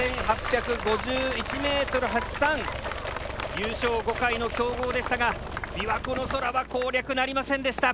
優勝５回の強豪でしたが琵琶湖の空は攻略なりませんでした。